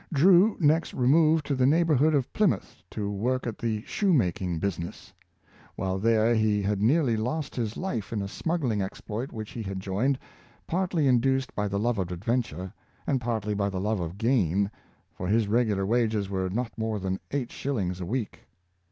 Drew next removed to the neighborhood of Plymouth to work at the shoemaking business. While there, he had nearly lost his life in a smuggling exploit which he had joined, partly induced by the love of adventure, and partly by the love of gain, for his regular wages were not more than eight shillings a week.